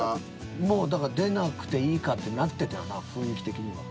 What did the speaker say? もうだから出なくていいかってなってたよな雰囲気的には。